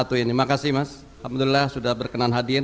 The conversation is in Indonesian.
terima kasih mas alhamdulillah sudah berkenan hadir